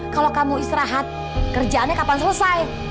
kalau kamu istirahat kerjaannya kapan selesai